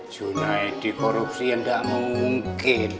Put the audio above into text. junaidy korupsi yang gak mungkin